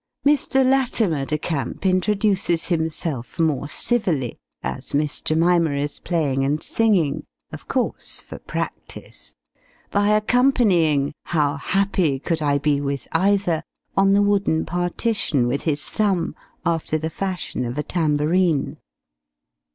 Mr. Latimer de Camp introduces himself more civilly, as Miss Jemima is playing and singing (of course for practice), by accompanying "How happy could I be with either," on the wooden partition with his thumb, after the fashion of a tambarine.